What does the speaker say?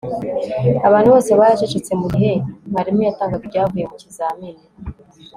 Abantu bose baracecetse mugihe mwarimu yatangaga ibyavuye mu kizamini